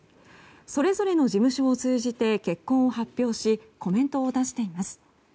それぞれの事務所を通じて結婚を発表しコメントを出しています。